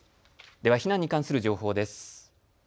では避難に関する情報です。